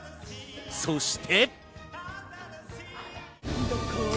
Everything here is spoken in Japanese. そして。